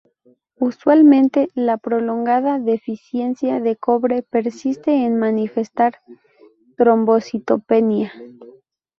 Usualmente, la prolongada deficiencia de cobre persiste en manifestar trombocitopenia.